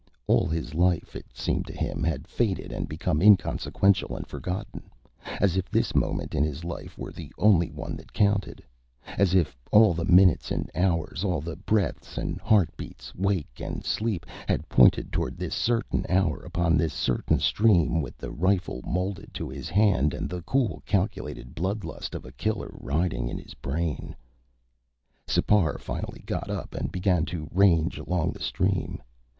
All his life, it seemed to him, had faded and become inconsequential and forgotten, as if this moment in his life were the only one that counted; as if all the minutes and the hours, all the breaths and heartbeats, wake and sleep, had pointed toward this certain hour upon this certain stream, with the rifle molded to his hand and the cool, calculated bloodlust of a killer riding in his brain. Sipar finally got up and began to range along the stream.